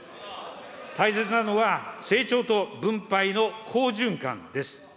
大切なのは、成長と分配の好循環です。